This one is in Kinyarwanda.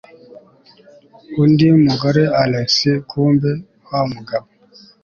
undi mugore alex kumbe wamugabo